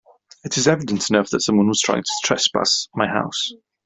It is evident enough that someone was trying to trespass my house.